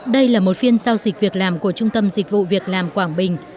đây là một phiên giao dịch việc làm của trung tâm dịch vụ việc làm quảng bình